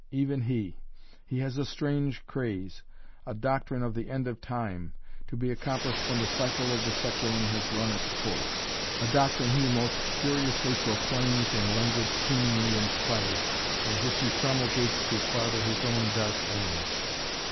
"Even he! He has a strange craze, a doctrine of the End of Time, to be accomplished when the cycle of the sæculum has run its course. A doctrine he most furiously proclaims in language seemingly inspired, and which he promulgates to farther his own dark ends."